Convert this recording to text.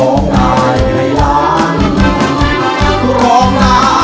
ร้องให้ร้อง